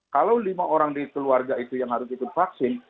kalau lima orang di keluarga itu yang harus ikut vaksin